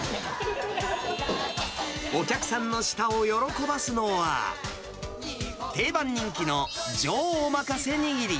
お客さんの舌を喜ばすのは、定番人気の上おまかせにぎり。